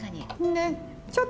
ねっ。